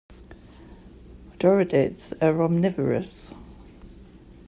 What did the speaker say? Doradids are omnivorous.